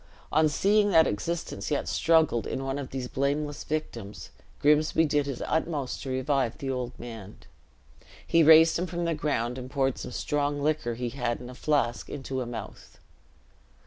On seeing that existence yet struggled in one of these blameless victims, Grimsby did his utmost to revive the old man. He raised him from the ground, and poured some strong liquor he had in a flask into a mouth.